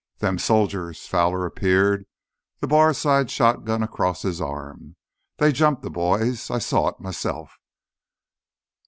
"Them soldiers...." Fowler appeared, the bar side shotgun across his arm—"they jumped th' boys. I saw it, myself."